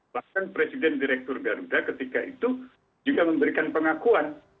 bahkan presiden direktur garuda ketika itu juga memberikan pengakuan